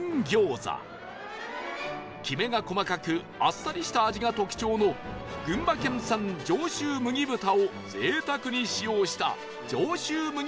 きめが細かくあっさりした味が特徴の群馬県産上州麦豚を贅沢に使用した